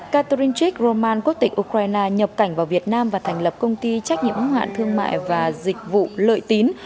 catherinchek roman quốc tịch ukraine nhập cảnh vào việt nam và thành lập công ty trách nhiệm hoạn thương mại và dịch vụ lợi tín